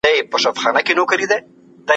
ژوره ساه ارامي راولي.